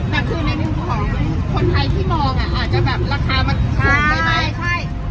แต่คือในด้วยคำคนไทยที่มองอ่ะอาจจะแบบราคามันควงไปไหมใช่